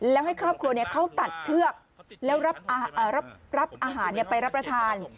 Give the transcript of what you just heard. แล้วให้ครอบครัวเขาตัดเชือกแล้วรับอาหารไปรับประทาน